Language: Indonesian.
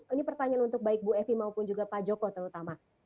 ini pertanyaan untuk baik bu evi maupun juga pak joko terutama